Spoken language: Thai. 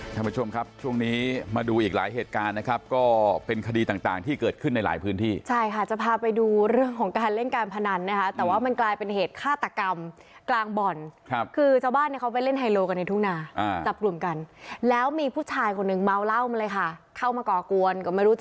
ท่านผู้ชมครับช่วงนี้มาดูอีกหลายเหตุการณ์นะครับก็เป็นคดีต่างต่างที่เกิดขึ้นในหลายพื้นที่ใช่ค่ะจะพาไปดูเรื่องของการเล่นการพนันนะคะแต่ว่ามันกลายเป็นเหตุฆาตกรรมกลางบ่อนครับคือชาวบ้านเนี่ยเขาไปเล่นไฮโลกันในทุ่งนาจับกลุ่มกันแล้วมีผู้ชายคนหนึ่งเมาเหล้ามาเลยค่ะเข้ามาก่อกวนก็ไม่รู้จะ